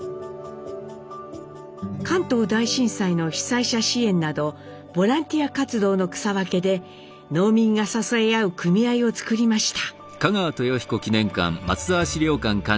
関東大震災の被災者支援などボランティア活動の草分けで農民が支え合う組合を作りました。